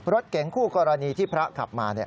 รถเก๋งคู่กรณีที่พระขับมา